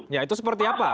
ya itu seperti apa